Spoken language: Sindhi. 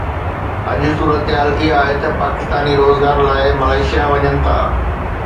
اڄ صورتحال اها آهي ته پاڪستاني روزگار لاءِ ملائيشيا وڃن ٿا.